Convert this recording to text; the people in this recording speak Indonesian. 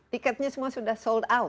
tiketnya semua sudah sold out